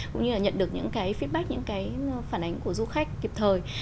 cũng như là nhận được những cái fitback những cái phản ánh của du khách kịp thời